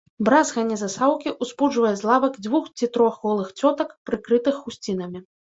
Бразганне засаўкі ўспуджвае з лавак дзвюх ці трох голых цётак, прыкрытых хусцінамі.